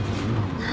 何？